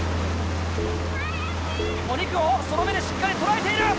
お肉をその目でしっかり捉えている。